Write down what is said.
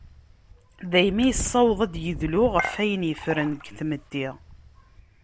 Daymi yessaweḍ ad d-yedlu ɣef ayen yeffren deg tmetti.